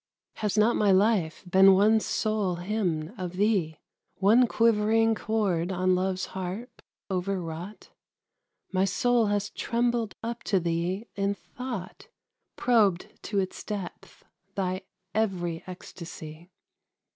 Has not my life been one sole hymn of thee, One quivering chord on Love's harp overwrought? My soul has trembled up to thee in thought, Probed to its depth thy every ecstasy.